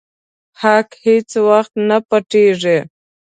حق هيڅ وخت نه پټيږي.